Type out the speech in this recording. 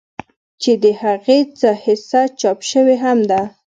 چې د هغې څۀ حصه چاپ شوې هم ده